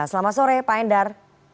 selamat sore pak endar